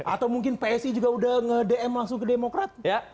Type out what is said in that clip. atau mungkin psi juga udah ngedm langsung ke demokrat